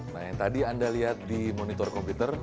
nah yang tadi anda lihat di monitor komputer